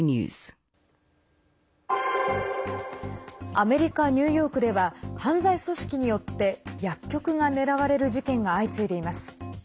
アメリカ・ニューヨークでは犯罪組織によって薬局が狙われる事件が相次いでいます。